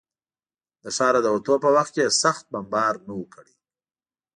د ښاره د وتو په وخت کې یې سخت بمبار نه و کړی.